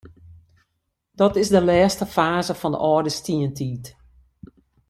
Dat is de lêste faze fan de âlde stientiid.